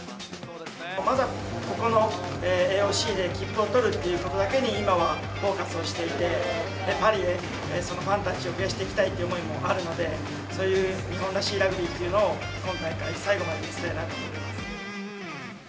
まずはここので切符を取るということだけに今はフォーカスをしていて、パリへそのファンたちを増やしていきたいという思いもあるので、そういう日本らしいラグビーっていうのを、今大会最後まで見せれたらいいなと思います。